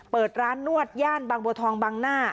เปิดร้านนวดย่านบางบัวทองบางหน้า